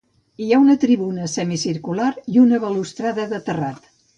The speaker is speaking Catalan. Hi ha una tribuna semicircular i una balustrada de terrat.